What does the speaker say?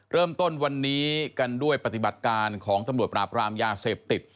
เริ่มต้นวันนี้กันด้วยปฏิบัติการของตำรวจปราบรามยาเสพติด